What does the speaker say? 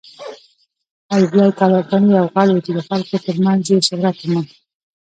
حبيب الله کلکاني يو غل وه ،چې د خلکو تر منځ يې شهرت وموند.